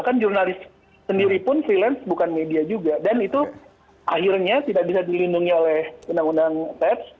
dan itu akhirnya tidak bisa dilindungi oleh undang undang ters